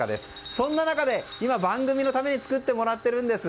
そんな中で今、番組のために作ってもらっているんです。